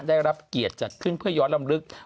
ได้รับเกียรติจัดขึ้นเพื่อย้อนลำลึก